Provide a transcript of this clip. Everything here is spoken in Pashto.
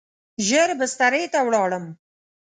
ژر بسترې ته ولاړم.